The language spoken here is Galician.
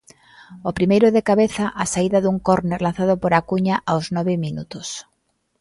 O primeiro de cabeza á saída dun córner lanzado por Acuña aos nove minutos.